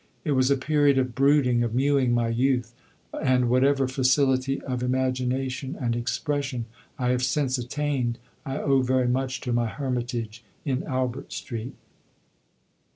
It was a period of brooding, of mewing my youth, and whatever facility of imagination and expression I have since attained I owe very much to my hermitage in Albert Street.